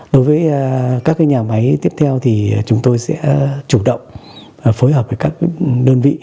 đối với các nhà máy tiếp theo thì chúng tôi sẽ chủ động phối hợp với các đơn vị